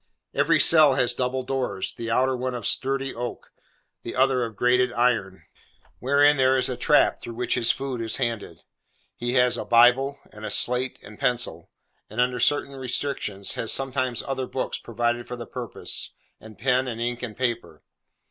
Every cell has double doors: the outer one of sturdy oak, the other of grated iron, wherein there is a trap through which his food is handed. He has a Bible, and a slate and pencil, and, under certain restrictions, has sometimes other books, provided for the purpose, and pen and ink and paper.